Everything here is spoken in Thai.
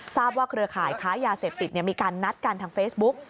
ทราบว่าเครือข่ายค้ายาเสพติดมีการนัดกันทางเฟซบุ๊ก